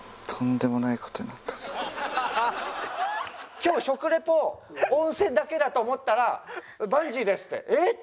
今日食レポ温泉だけだと思ったら「バンジーです」って。